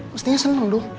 mestinya seneng dong